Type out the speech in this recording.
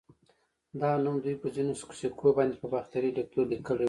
دا نوم دوی په ځینو سکو باندې په باختري ليکدود لیکلی و